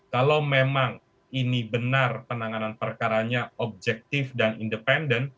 kalau memang ini benar penanganan perkaranya objektif dan independen